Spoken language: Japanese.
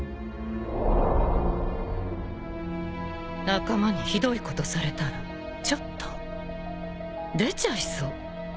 仲間にひどいことされたらちょっと出ちゃいそう。